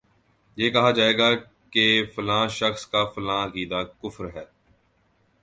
یہ کہا جائے گا کہ فلاں شخص کا فلاں عقیدہ کفر ہے